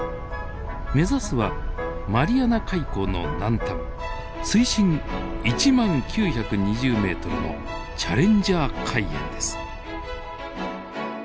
目指すはマリアナ海溝の南端水深１万９２０ｍのチャレンジャー海淵です。